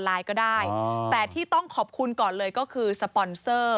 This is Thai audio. ให้คนเดียวเลยเหรอ